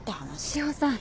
志帆さん。